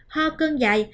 ho cơn dài